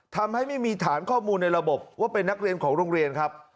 ทำให้ไม่มีฐานข้อมูลในระบบว่าเป็นนักเรียนของโรงเรียนครับ